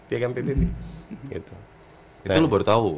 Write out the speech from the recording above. itu lu baru tahu